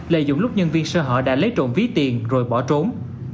lợi dụng lúc nhân viên sơ hở đã lấy trộm ví tiền rồi bỏ trốn